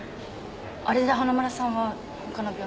あれで花村さんは他の病院に。